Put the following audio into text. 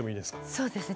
そうですね。